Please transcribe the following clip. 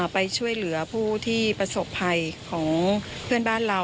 ไปช่วยเหลือผู้ที่ประสบภัยของเพื่อนบ้านเรา